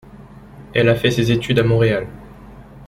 Elle a fait ses études à Montréal.